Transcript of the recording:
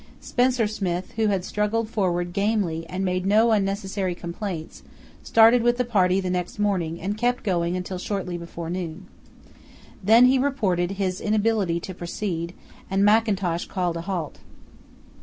Spencer Smith, who had struggled forward gamely and made no unnecessary complaints, started with the party the next morning and kept going until shortly before noon. Then he reported his inability to proceed, and Mackintosh called a halt.